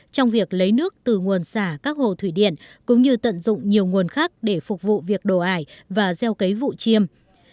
trong việc lấy nước từ nguồn xả các hồ thủy điện cũng như tận dụng nhiều nguồn khác để phục vụ việc đổ ải và gieo cấy vụ chiêm